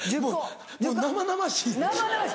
もう生々しいやつ？